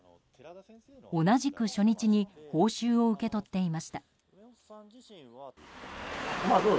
同じく初日に報酬を受け取っていました。